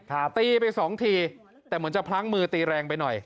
ตีไปสองทีแต่เหมือนจะพลั้งมือตีแรงไปหน่อย